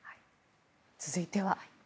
続いては。